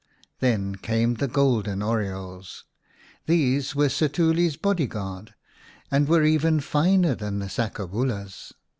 Then came the golden orioles. These were Setuli's bodyguard, and were even finer than the sakobulas.